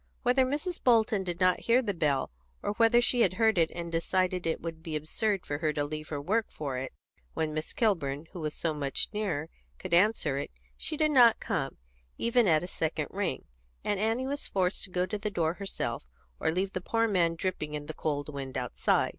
Whether Mrs. Bolton did not hear the bell, or whether she heard it and decided that it would be absurd to leave her work for it, when Miss Kilburn, who was so much nearer, could answer it, she did not come, even at a second ring, and Annie was forced to go to the door herself, or leave the poor man dripping in the cold wind outside.